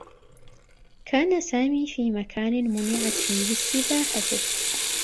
كان سامي في مكان مُنعت فيه السّباحة.